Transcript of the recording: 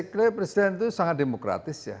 basically presiden itu sangat demokratis ya